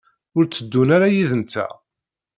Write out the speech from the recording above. Ur tteddun ara yid-nteɣ?